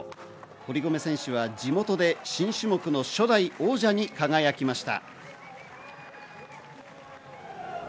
堀米選手は地元で新種目の初代王者に輝きました。